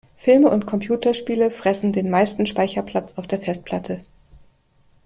Filme und Computerspiele fressen den meisten Speicherplatz auf der Festplatte.